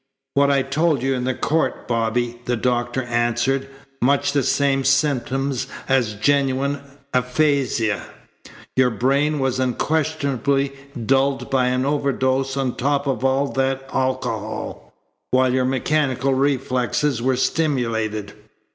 "What I told you in the court, Bobby," the doctor answered, "much the same symptoms as genuine aphasia. Your brain was unquestionably dulled by an overdose on top of all that alcohol, while your mechanical reflexes were stimulated.